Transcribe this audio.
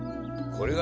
これが？